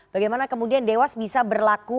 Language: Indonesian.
bagaimana kemudian dewas bisa berlaku